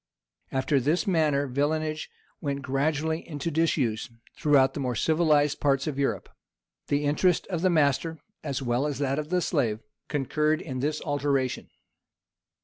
After this manner villenage went gradually into disuse throughout the more civilized parts of Europe: the interest of the master, as well as that of the slave, concurred in this alteration.